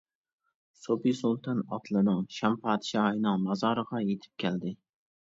سوپى سۇلتان ئاتلىنىڭ شام پادىشاھىنىڭ مازارىغا يېتىپ كەلدى.